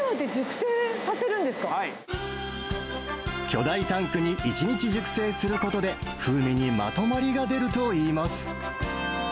巨大タンクに一日熟成することで、風味にまとまりが出るといいます。